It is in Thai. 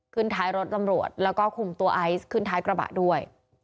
ท้ายรถตำรวจแล้วก็คุมตัวไอซ์ขึ้นท้ายกระบะด้วย